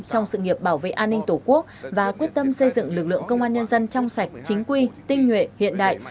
trong sự nghiệp bảo vệ an ninh tổ quốc và quyết tâm xây dựng lực lượng công an nhân dân trong sạch chính quy tinh nguyện hiện đại